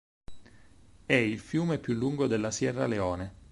È il fiume più lungo della Sierra Leone.